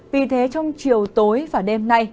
vì thế trong chiều tối và đêm nay